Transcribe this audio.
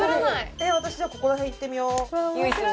私じゃあここら辺いってみよううわ